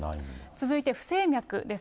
続いて不整脈です。